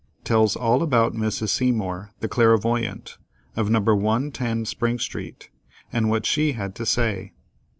Tells all about Mrs. Seymour, the Clairvoyant, of No. 110 Spring Street, and what she had to say.